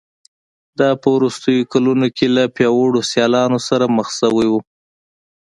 دا په وروستیو کلونو کې له پیاوړو سیالانو سره مخ شوی و